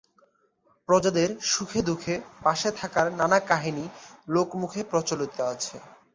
প্রজাদের সুখে-দুঃখে পাশে থাকার নানা কাহিনী লোকমুখে প্রচলিত আছে।